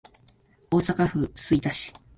大阪府吹田市